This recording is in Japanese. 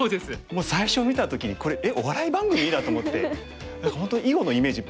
もう最初見た時に「これえっお笑い番組？」だと思って本当に囲碁のイメージ